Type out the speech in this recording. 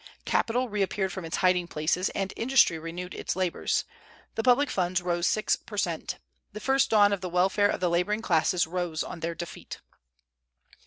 Capital reappeared from its hiding places, and industry renewed its labors. The public funds rose six per cent. The first dawn of the welfare of the laboring classes rose on their defeat.